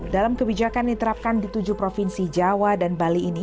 dalam kebijakan diterapkan di tujuh provinsi jawa dan bali ini